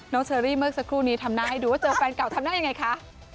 เชอรี่เมื่อสักครู่นี้ทำหน้าให้ดูว่าเจอแฟนเก่าทำหน้ายังไงคะ